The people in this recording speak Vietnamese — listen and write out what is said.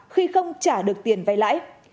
khi không trả được tiền vay lãi